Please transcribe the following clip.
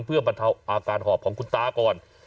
เพื่อบรรเทาอาการหอบของคุณตาก่อน